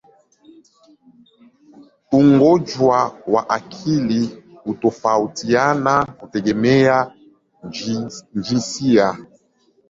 Ugonjwa wa akili hutofautiana kutegemea jinsia.